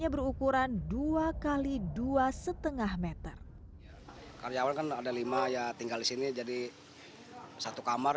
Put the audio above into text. berukuran dua x dua setengah meter karyawan kan ada lima ya tinggal di sini jadi satu kamar